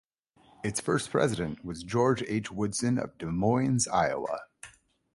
Its first president was George H. Woodson of Des Moines, Iowa.